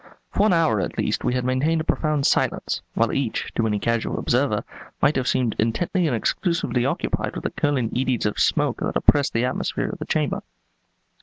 For one hour at least we had maintained a profound silence; while each, to any casual observer, might have seemed intently and exclusively occupied with the curling eddies of smoke that oppressed the atmosphere of the chamber.